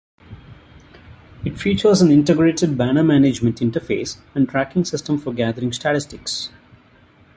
It features an integrated banner management interface and tracking system for gathering statistics.